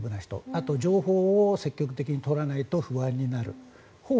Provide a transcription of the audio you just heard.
あと、情報を積極的に取らないと不安になる。